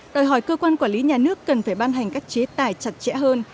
đòi hỏi cơ quan quản lý nhà nước cần phải ban hành các chế tài chặt chẽ hơn